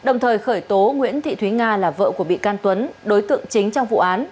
nguyễn thị thúy nga là vợ của bị can tuấn đối tượng chính trong vụ án